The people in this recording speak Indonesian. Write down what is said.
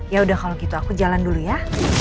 yaudah kalau gitu aku jalan dulu ya